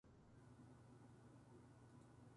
下記の通り